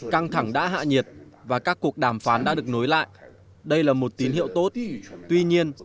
căng thẳng đã hạ nhiệt và các cuộc đàm phán đã được nối lại đây là một tín hiệu tốt tuy nhiên